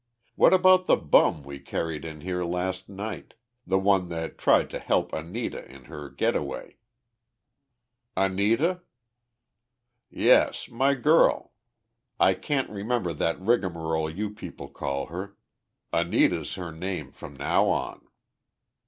What about the bum we carried in here last night the one that tried to help Anita in her getaway?" "Anita?" "Yes, my girl. I can't remember that rigmarole you people call her. Anita's her name from now on."